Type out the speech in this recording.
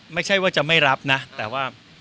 ไม่ใช่ว่าจะไม่รับนะแต่ว่า